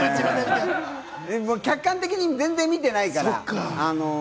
客観的に全然見てないから。